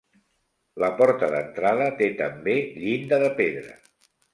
La porta d'entrada té també llinda de pedra.